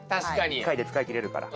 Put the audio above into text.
１回で使い切れるから。